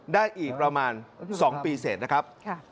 ได้อีกประมาณ๒ปีเสร็จนะครับ